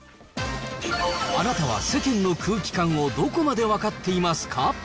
あなたは世間の空気感をどこまで分かっていますか？